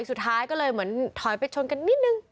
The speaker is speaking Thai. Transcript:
สุดท้ายก็เลยเหมือนถอยไปชนกันนิดนึง